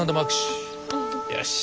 よし。